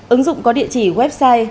ứng dụng có địa chỉ website